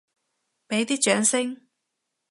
畀啲掌聲！